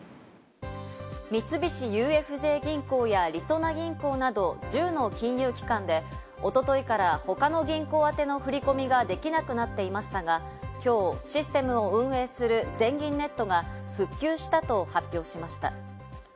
三菱ＵＦＪ銀行や、りそな銀行など１０の金融機関でおとといから他の銀行宛ての振り込みができなくなっていましたが、きょうシステムを運営する全銀ネットが復旧したと発表しました。